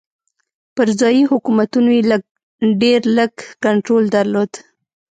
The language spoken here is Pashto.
پر ځايي حکومتونو یې ډېر لږ کنټرول درلود.